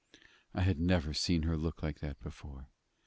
I had never seen her look like that before.